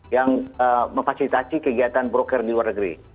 yang memfasilitasi kegiatan broker di luar negeri